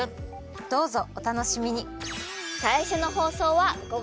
どうぞおたのしみに！